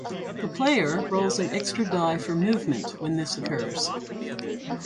The player rolls an extra die for movement when this occurs.